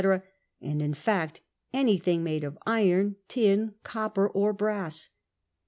and, in fact, anything made of iron, tin, copper, or brass.